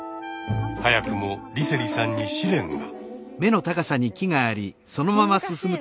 早くも梨星さんに試練が！